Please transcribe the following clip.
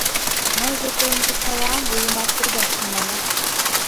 — Мыйже тыйым кычалам, вуемат пӧрдаш тӱҥале!